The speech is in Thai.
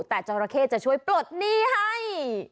แต่จราเข้จะช่วยปลดหนี้ให้